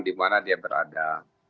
di mana dia berada